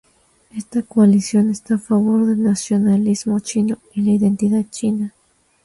Esta coalición está a favor del nacionalismo chino y la identidad china.